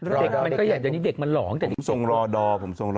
เด็กมันก็อยากจะยังนี้เด็กมันหล่อผมส่งรอดอผมส่งรอ